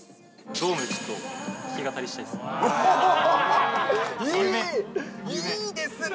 ドームでちょっと弾き語りしたいですね。